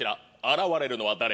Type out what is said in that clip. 「現れるのは誰？